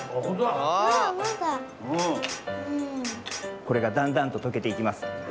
これがだんだんととけていきます。